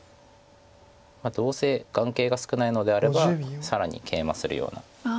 どうせ眼形が少ないのであれば更にケイマするような。